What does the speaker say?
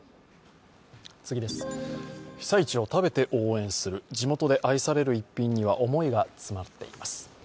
被災地を食べて応援する、地元で愛される逸品には思いが詰まっています。